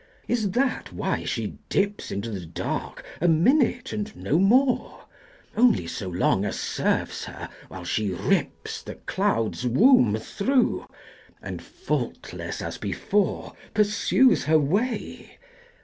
Is that why she dips Into the dark, a minute and no more, Only so long as serves her while she rips The cloud's womb through and, faultless as before, Pursues her way?